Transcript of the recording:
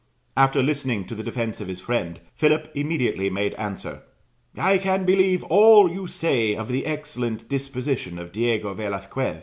After listening to the defence of his friend, Philip immediately made answer: 'I can believe all you say of the excellent disposition of Diego Velasquez.'